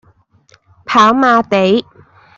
跑馬地